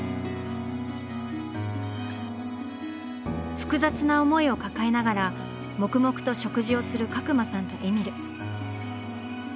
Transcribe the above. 複雑な思いを抱えながら黙々と食事をする角間さんとえみる。